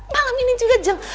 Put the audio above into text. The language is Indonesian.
malam ini juga jeng